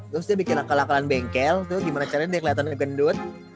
terus dia bikin akal akalan bengkel tuh gimana caranya dia kelihatan gendut